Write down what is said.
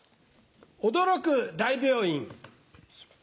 驚く大病院。